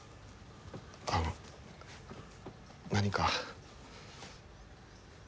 あの何か。